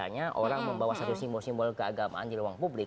biasanya orang membawa satu simbol simbol keagamaan di ruang publik